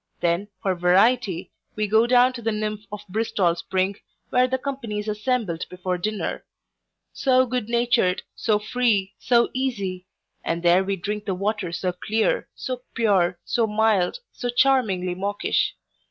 Then, for variety, we go down to the nymph of Bristol spring, where the company is assembled before dinner; so good natured, so free, so easy; and there we drink the water so clear, so pure, so mild, so charmingly maukish.